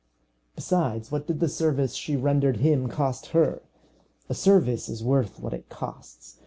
Besides, what did the service she rendered him cost her? A service is worth what it costs.